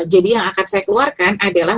jadi yang akan saya keluarkan adalah